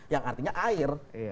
yang artinya air